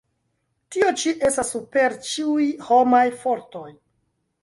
Tio ĉi estas super ĉiuj homaj fortoj!